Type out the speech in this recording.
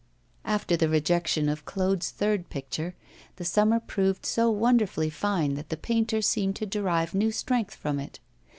After the rejection of Claude's third picture, the summer proved so wonderfully fine that the painter seemed to derive new strength from it.